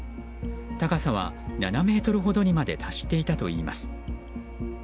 高さは７ｍほどにまで達していたといいます。